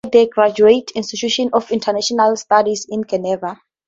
Dunkel was educated at the Graduate Institute of International Studies, in Geneva.